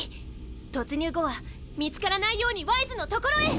突入後は見つからないようにワイズの所へ！